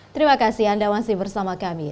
terima kasih anda masih bersama kami